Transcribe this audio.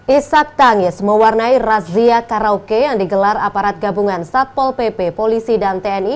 isak tangis mewarnai razia karaoke yang digelar aparat gabungan satpol pp polisi dan tni